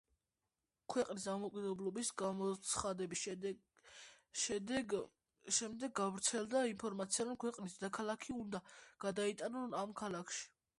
ქვეყნის დამოუკიდებლობის გამოცხადების შემდეგ გავრცელდა ინფორმაცია, რომ ქვეყნის დედაქალაქი უნდა გადაიტანონ ამ ქალაქში.